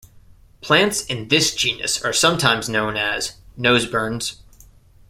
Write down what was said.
Plants in this genus are sometimes known as noseburns.